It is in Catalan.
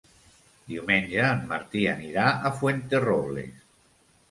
Diumenge en Martí anirà a Fuenterrobles.